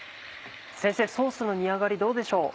先生ソースの煮上がりどうでしょう。